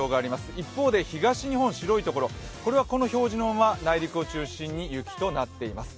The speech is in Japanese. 一方で東日本の白いところこれは表示のまま内陸を中心に雪となっています。